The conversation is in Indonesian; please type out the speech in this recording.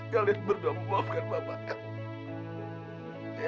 kalian berdo'a memaafkan bapak ya